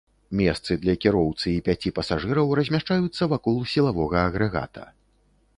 Месцы для кіроўцы і пяці пасажыраў размяшчаюцца вакол сілавога агрэгата.